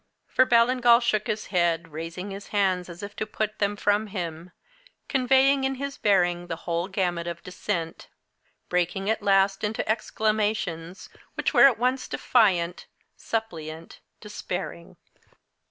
For Ballingall shook his head, raising his hands as if to put them from him, conveying in his bearing the whole gamut of dissent; breaking, at last, into exclamations which were at once defiant, suppliant, despairing.